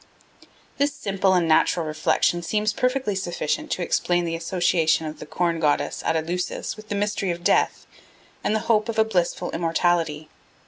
This simple and natural reflection seems perfectly sufficient to explain the association of the Corn Goddess at Eleusis with the mystery of death and the hope of a blissful immortality.